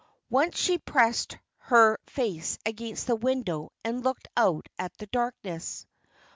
Once she pressed her face against the window and looked out at the darkness.